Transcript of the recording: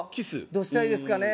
どうしたらいいですかね？